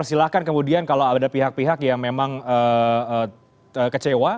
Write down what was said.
silahkan kemudian kalau ada pihak pihak yang memang kecewa